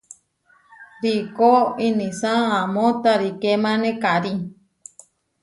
Riikó inísa amó tarikémane karí.